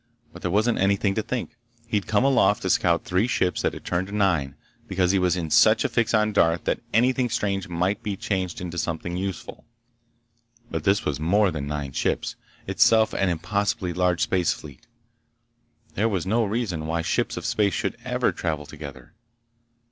But there wasn't anything to think. He'd come aloft to scout three ships that had turned to nine, because he was in such a fix on Darth that anything strange might be changed into something useful. But this was more than nine ships—itself an impossibly large space fleet. There was no reason why ships of space should ever travel together.